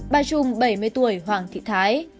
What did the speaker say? bà trung bảy mươi tuổi hoàng thị thái